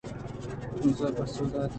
بُز ءَ پسّہ دات